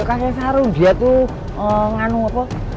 kakek sarung dia tuh nganu apa